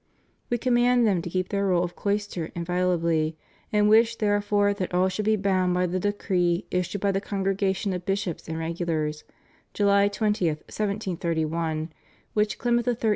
We command them to keep their rule of cloister invi olably ; and wish therefore that all should be bound by the decree issued by the Congregation of Bishops and Regu lars, July 20, 1731, which Clement XIII.